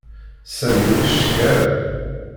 Sami ur icetka ara.